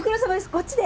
こっちで。